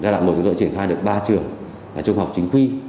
gia đoạn một chúng tôi triển khai được ba trường là trung học chính quy